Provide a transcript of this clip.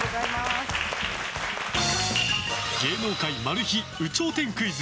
芸能界マル秘有頂天クイズ